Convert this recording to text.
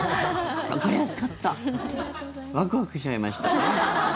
ワクワクしちゃいました。